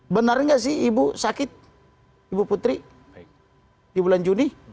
benar nggak sih ibu sakit ibu putri di bulan juni